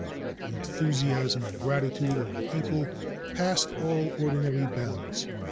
The enthusiasm and gratitude of the people passed all ordinary bounds.